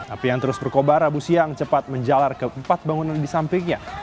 api yang terus berkobar rabu siang cepat menjalar ke empat bangunan di sampingnya